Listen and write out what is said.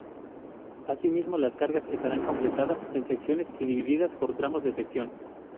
Asimismo las cargas estarán completadas en secciones y divididas por tramos de secciones.